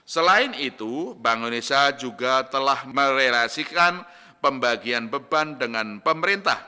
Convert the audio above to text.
selain itu bank indonesia juga telah merelasikan pembagian beban dengan pemerintah